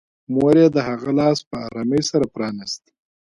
مور یې د هغه لاس په ارامۍ سره پرانيست